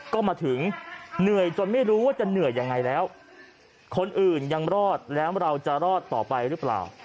ก็มาถึงเหนื่อยจนไม่รู้ว่าจะเหนื่อยยังไงแล้วคนอื่นยังรอดแล้วเราจะรอดต่อไปหรือเปล่า